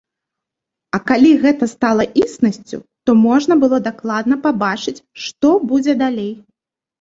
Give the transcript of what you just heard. А калі гэта стала існасцю, то можна было дакладна пабачыць што будзе далей.